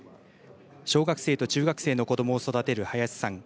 小学生と中学生の子どもを育てる林さん。